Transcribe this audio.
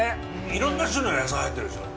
いろんな種類の野菜が入っているでしょう？